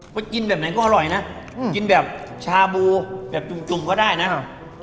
ไปกินแบบไหนก็อร่อยนะกินแบบชาบูแบบจุ่มก็ได้นะครับ